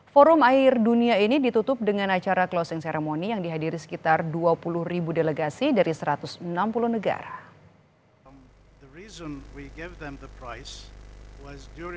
forum air dunia ini ditutup dengan acara closing ceremony yang dihadiri sekitar dua puluh ribu delegasi dari satu ratus enam puluh negara